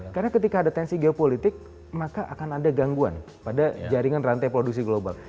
karena ketika ada tensi geopolitik maka akan ada gangguan pada jaringan rantai produksi global